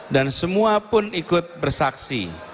dan semua pun ikut bersaksi